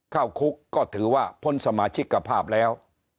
เข้าคุกก็ถือว่าพ้นสมาชิกภาพแล้ว